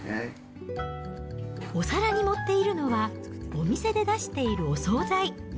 お皿に盛っているのは、お店で出しているお総菜。